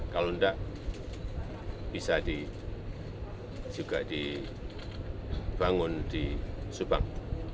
kalau enggak bisa juga dibangun di subang